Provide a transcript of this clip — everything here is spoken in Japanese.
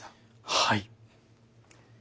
はい。